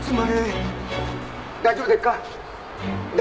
大丈夫ですか？